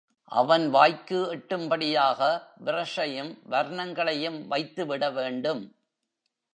அவன் வாய்க்கு எட்டும் படியாக பிரஷையும், வர்ணங்களையும் வைத்துவிட வேண்டும்.